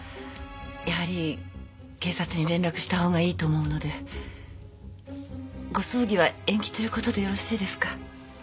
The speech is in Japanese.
やはり警察に連絡した方がいいと思うのでご葬儀は延期ということでよろしいですか？